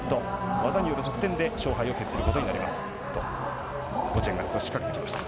技による得点で勝敗を喫することになります。